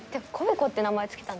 媚子って名前付けたの誰？